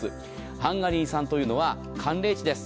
ハンガリー産というのは寒冷地です。